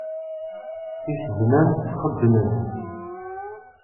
Tisednan xeddment.